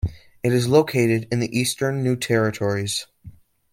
It is located in the Eastern New Territories.